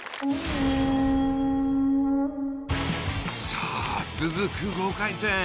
さあ続く５回戦。